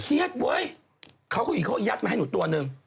เชียดเว้ยเขาก็ยัดมาให้หนูตัวหนึ่ง